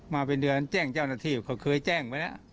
มาเป็นเดือนแจ้งเจ้าหน้าที่เขาเคยแจ้งไว้แล้ว